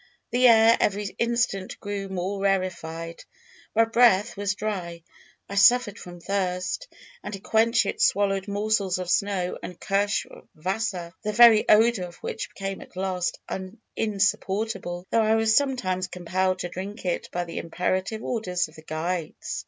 The air every instant grew more rarefied; my mouth was dry; I suffered from thirst, and to quench it swallowed morsels of snow and kirsch wasser, the very odour of which became at last insupportable, though I was sometimes compelled to drink it by the imperative orders of the guides.